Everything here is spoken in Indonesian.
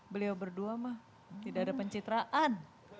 beliau berdua mah tidak ada pencitraan